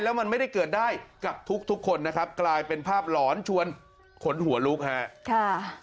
แล้วมันไม่ได้เกิดได้กับทุกคนนะครับกลายเป็นภาพหลอนชวนขนหัวลุกฮะค่ะ